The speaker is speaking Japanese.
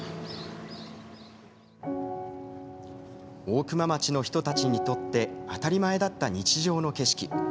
大熊町の人たちにとって当たり前だった日常の景色。